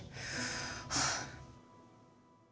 はあ。